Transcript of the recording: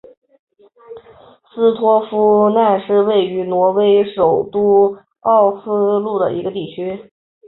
斯托夫奈是位于挪威首都奥斯陆的一个地区。